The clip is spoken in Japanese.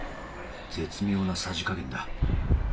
絶妙なさじ加減だ。